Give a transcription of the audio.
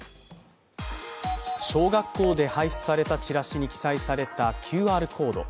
小学校で配布されたチラシに記載されたＱＲコード。